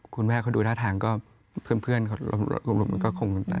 คุณแม่เขาดูหน้าทางก็เพื่อนก็คง